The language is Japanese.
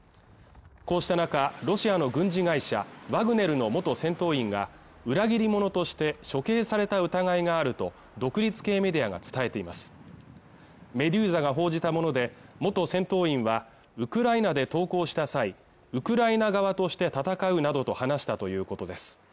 こうした中ロシアの軍事会社ワグネルの元戦闘員が裏切り者として処刑された疑いがあると独立系メディアが伝えていますメドューザが報じたもので元戦闘員はウクライナで投稿した際ウクライナ側として戦うなどと話したということです